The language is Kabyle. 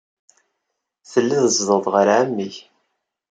Telliḍ tzedɣeḍ ɣer ɛemmi-k.